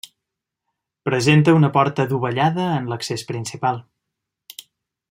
Presenta una porta dovellada en l'accés principal.